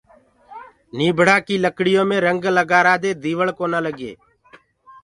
نيڀڙآ ڪي لڪڙيو ميڻ رنگ لگآرآ دي ديوݪڪونآ لگي